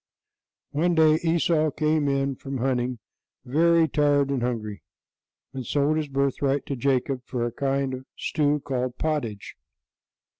One day Esau came in from hunting, very tired and hungry, and sold his birthright to Jacob for a kind of stew called pottage.